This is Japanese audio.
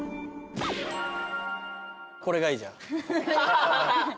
これがいいじゃあ。